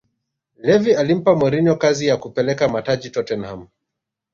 levvy alimpa mourinho kazi ya kupeleka mataji tottenham